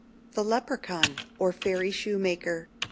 THE LEPRACAUN; OR, FAIRY SHOEMAKER.